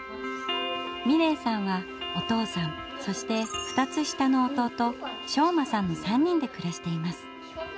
美礼さんはお父さんそして２つ下の弟将真さんの３人で暮らしています。